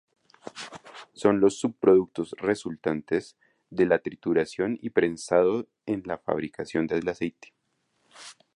Son los subproductos resultantes de la trituración y prensado en la fabricación del aceite.